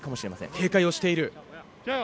警戒をしている。